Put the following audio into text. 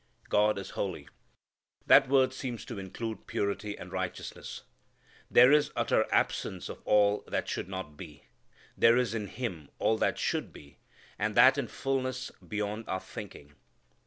God is holy. That word seems to include purity and righteousness. There is utter absence of all that should not be. There is in Him all that should be, and that in fulness beyond our thinking.